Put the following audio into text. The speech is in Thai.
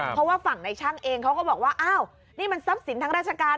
เพราะว่าฝั่งในช่างเองเขาก็บอกว่าอ้าวนี่มันทรัพย์สินทางราชการ